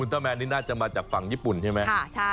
อุลต่อเมนนี่น่าจะมาจากฝั่งญี่ปุ่นใช่มั้ยใช่